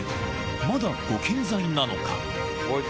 まだご健在なのか。